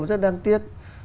rất đáng tiếc